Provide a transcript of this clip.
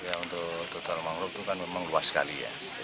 untuk hutan mangrove itu memang luas sekali